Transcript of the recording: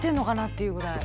っていうぐらい。